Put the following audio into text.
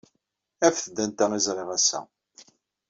Afet-d anta ay ẓriɣ ass-a.